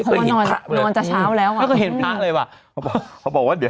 เขาว่านอนจะเช้าแล้วว่ะคุณแม่